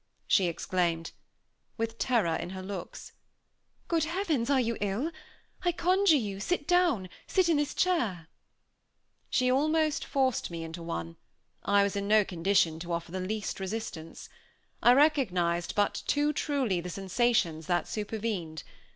she exclaimed, with terror in her looks. "Good Heavens! are you ill? I conjure you, sit down; sit in this chair." She almost forced me into one; I was in no condition to offer the least resistance. I recognized but too truly the sensations that supervened.